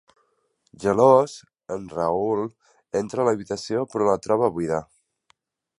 Gelós, en Raoul entra a l'habitació però la troba buida.